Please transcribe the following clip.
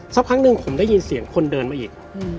สักพักหนึ่งผมได้ยินเสียงคนเดินมาอีก